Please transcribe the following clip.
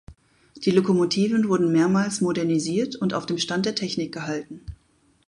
Die Lokomotiven wurden mehrmals modernisiert und auf dem Stand der Technik gehalten.